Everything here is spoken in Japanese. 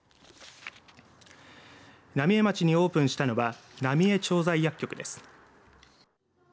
浪江町にオープンしたのはなみえ調剤薬局です。